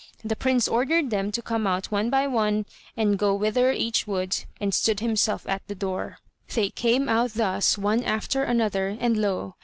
The prince ordered them to come out one by one, and go whither each would, and stood himself at the door. They came out thus one after another, and lo!